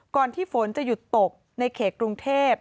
ที่ฝนจะหยุดตกในเขตกรุงเทพ